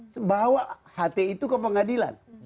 sebab hti itu ke pengadilan